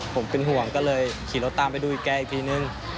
ผมเป็นห่วงก็เลยขี่รถตามไปดูอีกแกอีกทีนึง